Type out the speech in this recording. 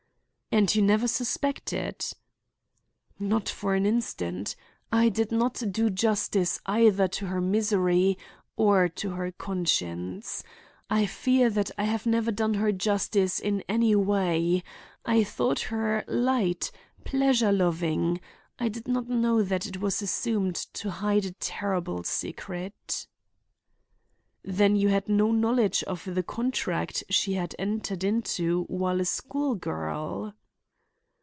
"And you never suspected?" "Not for an instant. I did not do justice either to her misery or to her conscience. I fear that I have never done her justice in anyway. I thought her light, pleasure loving. I did not know that it was assumed to hide a terrible secret." "Then you had no knowledge of the contract she had entered into while a school girl?"